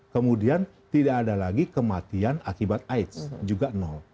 kemudian tidak ada lagi kematian akibat aids juga